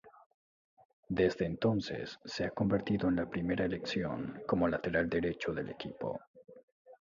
Desde entonces, se ha convertido en la primera elección como lateral derecho del equipo.